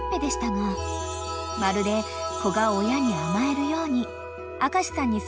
［まるで子が親に甘えるように］